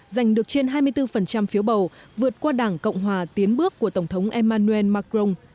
giành được trên hai mươi bốn phiếu bầu vượt qua đảng cộng hòa tiến bước của tổng thống emmanuel macron